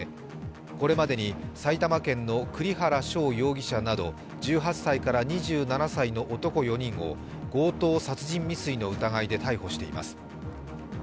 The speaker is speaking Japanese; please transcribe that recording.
これまでに埼玉県の栗原翔容疑者など１８歳から２７歳の男４人を強盗殺人未遂の疑いで逮捕しています。